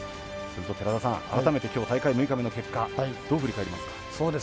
それと寺田さん、改めてきょう大会６日目の結果どう振り返りますか？